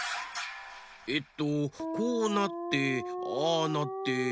えっとこうなってああなって。